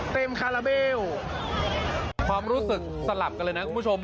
คาราเบลความรู้สึกสลับกันเลยนะคุณผู้ชม